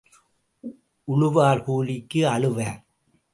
உழுவார் கூலிக்கு அழுவார்.